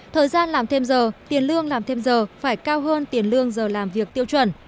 thời gian làm thêm giờ tiền lương làm thêm giờ phải cao hơn tiền lương giờ làm việc tiêu chuẩn